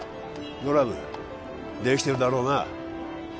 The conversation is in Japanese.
ドラムできてるんだろうな？